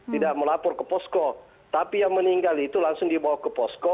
tidak melapor ke posko tapi yang meninggal itu langsung dibawa ke posko